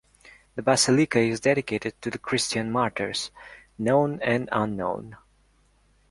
The basilica is dedicated to the Christian martyrs, known and unknown.